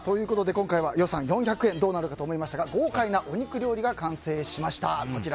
今回は予算４００円どうなるかと思いましたが豪快なお肉料理が完成しました。